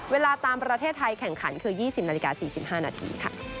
เวลาตามประเทศไทยแข่งขันคือ๒๐นาฬิกา๔๕นาที